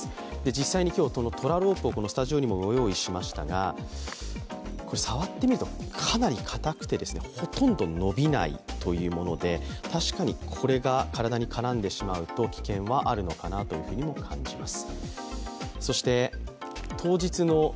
実際、トラロープをスタジオにも用意しましたが触ってみると、かなりかたくてほとんどのびないもので、確かにこれが体に絡んでしまうと危険はあるのかなというふうにも感じます。